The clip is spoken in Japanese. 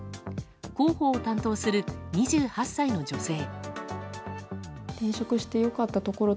広報を担当する２８歳の女性。